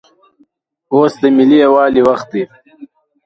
اوس دملي یووالي وخت دی